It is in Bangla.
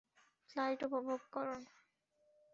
ফ্লাইট উপভোগ করুন।